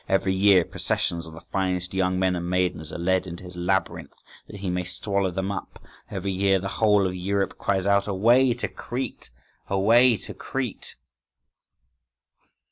Every year processions of the finest young men and maidens are led into his labyrinth that he may swallow them up, every year the whole of Europe cries out "Away to Crete! Away to Crete!".